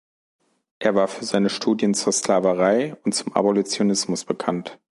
Er war für seine Studien zur Sklaverei und zum Abolitionismus bekannt.